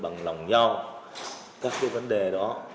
bằng lòng nhau các cái vấn đề đó